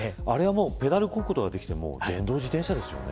ペダルをこぐことができても電動自転車ですよね。